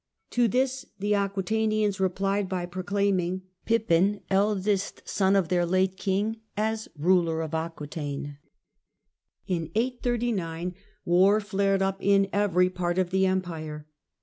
To this the Aquetanians replied by pro claiming Pippin, eldest son of their late king, as ruler of Aquetaine. In 839 war flared up in every part of the Empire.